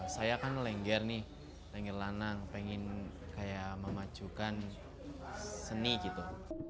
saya kan lengger nih lengger lanang pengen kayak memajukan seni gitu